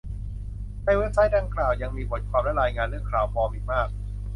ในเว็บไซต์ดังกล่าวยังมีบทความและรายงานเรื่อง ข่าวปลอม อีกมาก